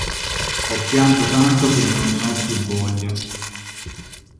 Ho pianto tanto che non ne ho più voglia.